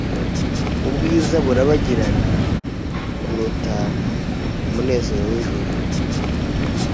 ubwiza burabagirana Kurota umunezero wijoro